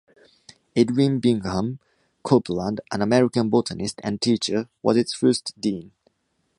Edwin Bingham Copeland, an American botanist and teacher, was its first dean.